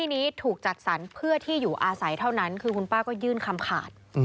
นี้ถูกจัดสรรเพื่อที่อยู่อาศัยเท่านั้นคือคุณป้าก็ยื่นคำขาด